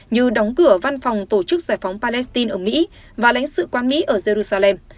như đóng cửa văn phòng tổ chức giải phóng palestine ở mỹ và lãnh sự quán mỹ ở jerusalem